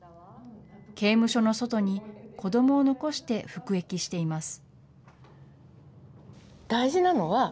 刑務所の外に子どもを残して服役しています。